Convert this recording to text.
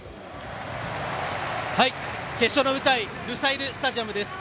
決勝の舞台ルサイルスタジアムです。